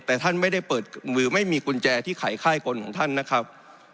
แต่ท่านไม่ได้เปิดหรือไม่มีกุญแจที่ขายค่ายกลของท่านนะครับ